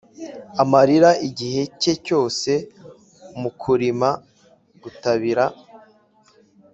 amarira igihe cye cyose mu kurima, gutabira,